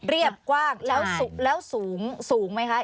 เรียบกว้างแล้วสูงสูงไหมคะ